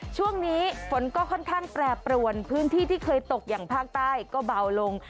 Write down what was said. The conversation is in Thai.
ช่วงนี้ฝนก็ค่อนข้างแปรปรวนพื้นที่ที่เคยตกอย่างภาคใต้ก็เบาลง